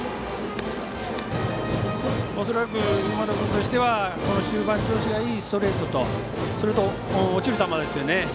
猪俣君としては中盤調子がいいストレートとそれと落ちる球ですね。